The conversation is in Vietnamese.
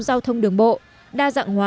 giao thông đường bộ đa dạng hóa